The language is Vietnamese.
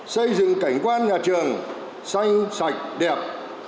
xây dựng cảnh quan nhà trường xanh sạch đẹp